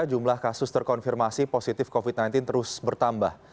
jumlah kasus terkonfirmasi positif covid sembilan belas terus bertambah